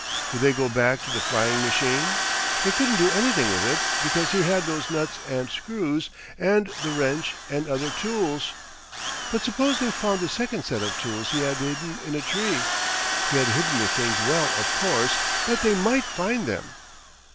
Would they go back to the flying machine? They couldn't do anything with it, because he had those nuts and screws and the wrench and other tools. But suppose they found the second set of tools he had hidden in a tree! He had hidden the things well, of course, but they MIGHT find them.